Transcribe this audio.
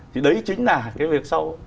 thì đấy chính là cái việc sau